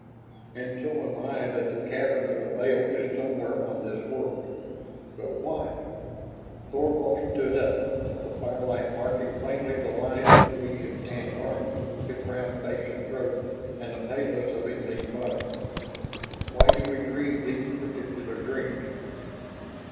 "And so am I that the cavern of the veil is somewhere on this world. But why?" Thorvald stood up, the firelight marking plainly the lines between his tanned arms, his brown face and throat, and the paleness of his lean body. "Why do we dream those particular dreams?"